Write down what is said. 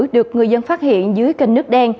được người dân phát hiện dưới kênh nước đen